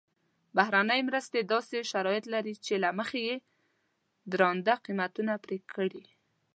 بهرنۍ مرستې داسې شرایط لري چې له مخې یې درانده قیمتونه پرې کړي.